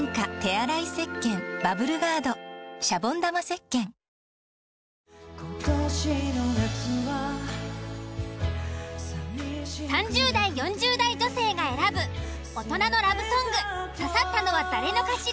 更に今年の夏は３０代４０代女性が選ぶ大人のラブソング刺さったのは誰の歌詞？